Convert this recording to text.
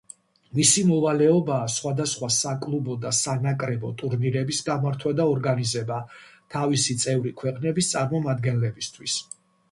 მისი მოვალეობაა სხვადასხვა საკლუბო და სანაკრებო ტურნირების გამართვა და ორგანიზება თავისი წევრი ქვეყნების წარმომადგენლებისთვის.